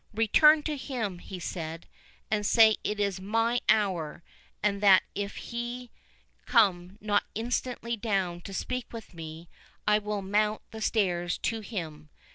'Return to him,' he said, 'and say it is MY HOUR, and that if he come not instantly down to speak with me, I will mount the stairs to him.